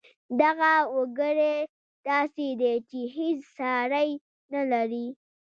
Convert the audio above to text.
دغه وګړی داسې دی چې هېڅ ساری نه لري